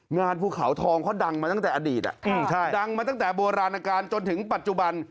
ภูเขาทองเขาดังมาตั้งแต่อดีตดังมาตั้งแต่โบราณการจนถึงปัจจุบัน